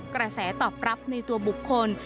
กระแสตอบรับในตัวบุคคล